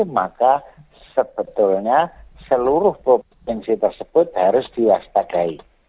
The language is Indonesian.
maka sebetulnya seluruh provinsi tersebut harus diwaspadai